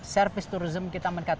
service tourism kita meningkat